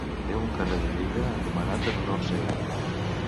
Té un carrer de Lleida anomenat en honor seu.